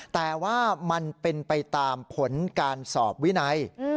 แต่ว่ามันเป็นไปตามผลการสอบวินัย